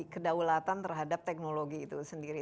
kedaulatan terhadap teknologi itu sendiri